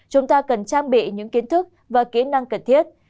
chúng ta cần trang bị những kiến thức và kỹ năng cần thiết